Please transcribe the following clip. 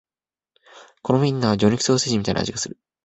このウインナーは魚肉ソーセージみたいな味がする